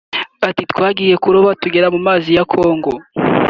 Ati “Twagiye kuroba tugera mu mazi ya Congo